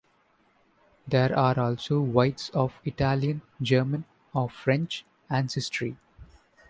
There are also whites of Italian, German, or French ancestry.